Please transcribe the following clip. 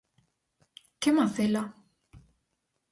Que macela?